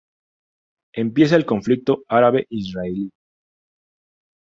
Empieza el conflicto árabe-israelí.